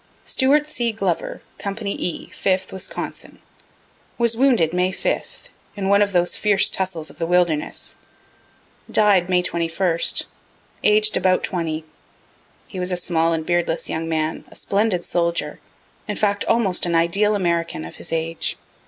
Stewart C. Glover, company E, 5th Wisconsin was wounded May 5, in one of those fierce tussles of the Wilderness died May 21 aged about 20. He was a small and beardless young man a splendid soldier in fact almost an ideal American, of his age.